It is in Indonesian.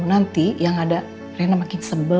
nanti yang ada rena makin sebel